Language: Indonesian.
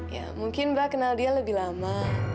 ya mungkin mbak kenal dia lebih lama